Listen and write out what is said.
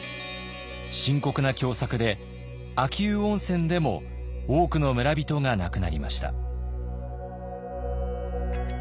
深刻な凶作で秋保温泉でも多くの村人が亡くなりました。